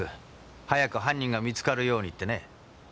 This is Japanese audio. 早く犯人が見つかるようにってね。